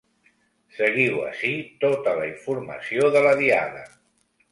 Seguiu ací tota la informació de la Diada.